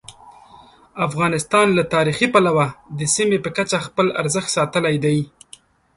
افغانستان له تاریخي پلوه د سیمې په کچه خپل ارزښت ساتلی دی.